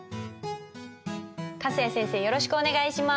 よろしくお願いします。